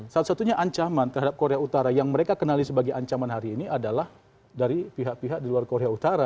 satu satunya ancaman terhadap korea utara yang mereka kenali sebagai ancaman hari ini adalah dari pihak pihak di luar korea utara